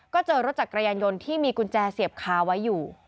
ก็เจอรถจักรยานยนต์ที่มีกุญแจเสียบคาไว้อยู่